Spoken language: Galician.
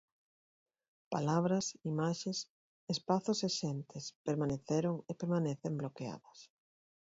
Palabras, imaxes, espazos e xentes, permaneceron e permanecen bloqueadas.